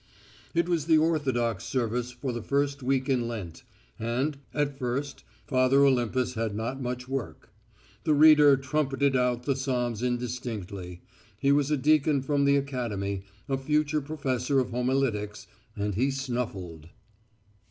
It was the Orthodox service for the first week in Lent, and, at first, Father Olympus had not much work. The reader trumpeted out the psalms indistinctly; he was a deacon from the academy, a future professor of homiletics, and he snuffled.